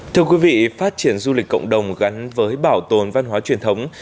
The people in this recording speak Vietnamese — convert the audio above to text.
thưa quý vị phát triển du lịch cộng đồng gắn với bảo tồn văn hóa truyền thống